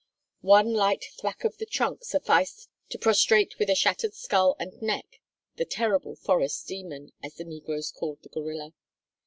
One light thwack with the trunk sufficed to prostrate with a shattered skull and neck the terrible "forest demon," as the negroes call the gorilla.